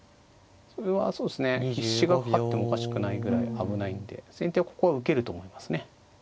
それはそうですね必至がかかってもおかしくないぐらい危ないんで先手はここは受けると思いますね。